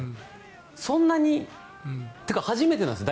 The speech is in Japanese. そんなにというか初めてなんです。